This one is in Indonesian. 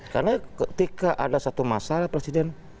karena ketika ada satu masalah presiden